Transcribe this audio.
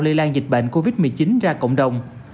lây lan dịch bệnh covid một mươi chín ra cộng đồng